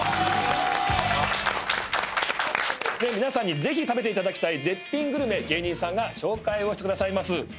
皆さんにぜひ食べていただきたい絶品グルメ芸人さんが紹介をしてくださいます。